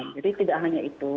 jadi tidak hanya itu